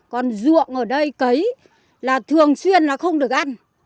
còn ruộng ở đây cấy là thường xuyên là không được ăn